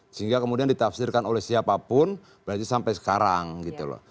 sehingga kemudian ditafsirkan oleh siapapun berarti sampai sekarang gitu loh